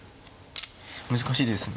難しいですね。